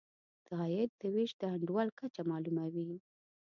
د عاید د وېش د انډول کچه معلوموي.